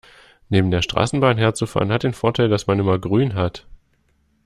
Neben der Straßenbahn herzufahren, hat den Vorteil, dass man immer grün hat.